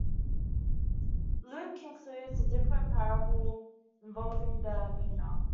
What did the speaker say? Luke includes a different parable involving the mina.